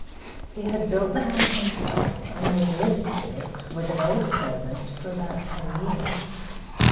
He had built the house himself and had lived in it with an old servant for about ten years.